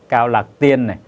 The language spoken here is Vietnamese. cao lạc tiên này